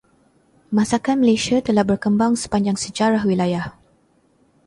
Masakan Malaysia telah berkembang sepanjang sejarah wilayah.